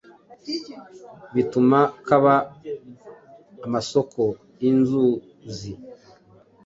bituma kaba amasoko y’inzuzi.